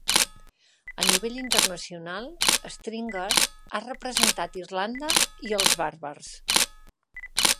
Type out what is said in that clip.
A nivell internacional, Stringer ha representat Irlanda i els bàrbars.